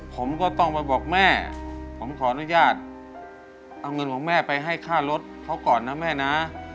ผมก็ต้องไปบอกแม่ผมขออนุญาตเอาเงินของแม่ไปให้ค่ารถเขาก่อนนะแม่นะ